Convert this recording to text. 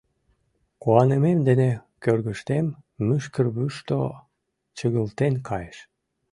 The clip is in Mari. Куанымем дене кӧргыштем мӱшкырвушто чыгылтен кайыш.